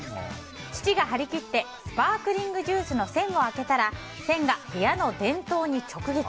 父が張り切ってスパークリングジュースの栓を開けたら栓が部屋の電灯に直撃。